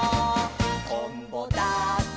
「とんぼだって」